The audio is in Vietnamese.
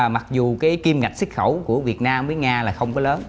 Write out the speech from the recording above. mặc dù cái kim ngạch xuất khẩu của việt nam với nga là không có lớn